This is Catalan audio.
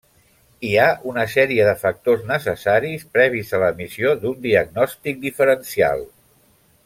Hi ha una sèrie de factors necessaris previs a l'emissió d'un diagnòstic diferencial.